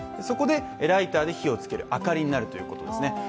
そこでライターで火をつける、明かりになるということですね。